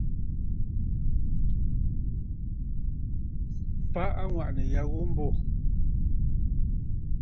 Fa aŋwàʼànə̀ ya ghu mbô.